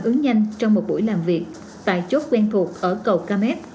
tổ phản ứng nhanh trong một buổi làm việc tại chốt quen thuộc ở cầu kmf